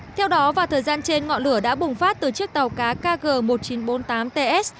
theo đó vào thời gian trên ngọn lửa đã bùng phát từ chiếc tàu cá kg một nghìn chín trăm bốn mươi tám ts